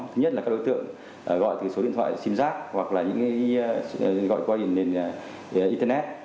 thứ nhất là các đối tượng gọi từ số điện thoại sim giác hoặc là gọi qua hình nền internet